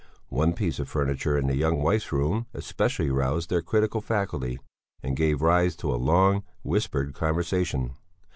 One piece of furniture in the young wife's room especially roused their critical faculty, and gave rise to a long, whispered conversation.